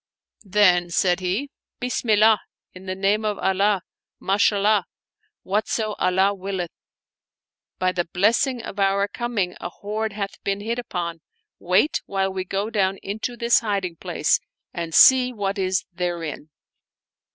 Then said he, " Bismillah ; in the name of Allah ! Ma shallah ; whatso Allah willeth I By the blessing of our com ing a hoard hath been hit upon; wait while we go down into this hiding place and see what is therein."